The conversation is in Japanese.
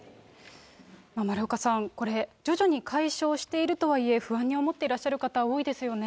丸岡さん、これ、徐々に解消しているとはいえ、不安に思ってらっしゃる方、多いですよね。